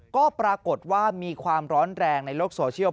ก็ปรากฏว่ามีความร้อนแรงในโลกโซเชียล